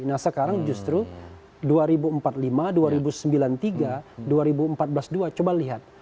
nah sekarang justru dua ribu empat puluh lima dua ribu sembilan puluh tiga dua ribu empat belas dua coba lihat